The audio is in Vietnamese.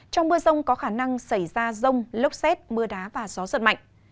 trong mưa rông có khả năng xảy ra rông lốc xét mưa đá và gió giật mạnh